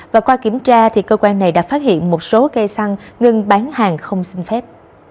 và qua kiểm tra cơ quan này đã phát hiện một số cây xăng ngừng bán hàng không xin phép